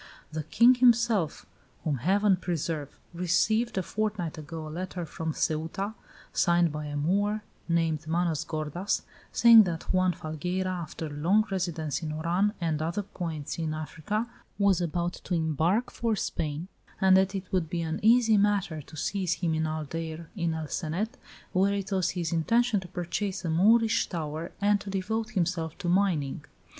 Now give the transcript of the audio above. The king himself whom Heaven preserve received, a fortnight ago, a letter from Ceuta, signed by a Moor named Manos gordas, saying that Juan Falgueira, after long residence in Oran and other points in Africa, was about to embark for Spain, and that it would be an easy matter to seize him in Aldeire in El Cenet, where it was his intention to purchase a Moorish tower and to devote himself to mining.